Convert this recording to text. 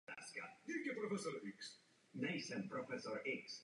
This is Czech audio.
Dílo se skládá z velkého množství atributů symbolického významu.